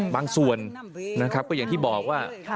บางส่วนนะครับก็อย่างที่บอกว่า